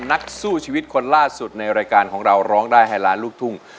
นักสู้ชีวิตคนล่าสุดในรายการของเราร้องได้ให้ล้านลูกทุ่ง